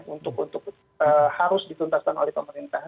untuk harus dituntaskan oleh pemerintah